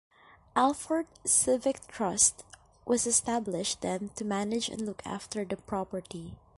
Alford Civic Trust was established then to manage and look after the property.